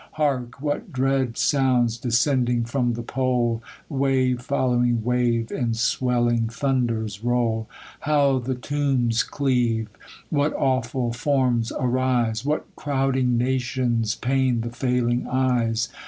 Hark, what dread sounds descending from the pole, Wave following wave, in swelling thunders roll ! P How i 170 THE COLUMBIAN ORATOR. How the tombs cleave ! What awful forms arise ! What crowding nations pain the failing eyes